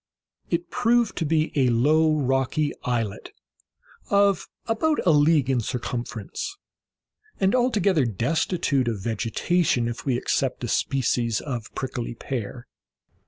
It proved to be a low rocky islet, of about a league in circumference, and altogether destitute of vegetation, if we except a species of prickly pear.